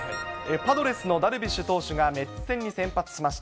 パドレスのダルビッシュ投手がメッツ戦に先発しました。